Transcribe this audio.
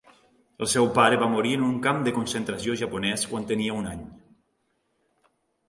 El seu pare va morir en un camp de concentració japonès quan tenia un any.